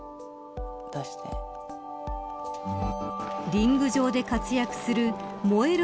リング上で活躍する燃える